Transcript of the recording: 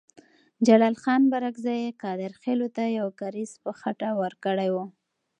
جلال خان بارکزی قادرخیلو ته یو کارېز په خټه ورکړی وو.